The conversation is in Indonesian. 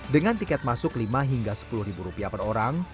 dengan tiket masuk lima hingga sepuluh ribu rupiah per orang